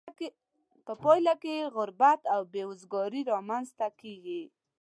په پایله کې یې غربت او بې روزګاري را مینځ ته کیږي.